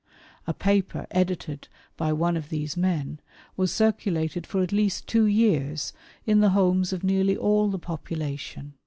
A paper edited by one of these men, was circulated for at least two years in the homes of nearly all the population.